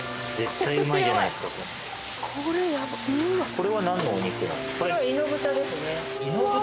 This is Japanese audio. これは何のお肉なんですか？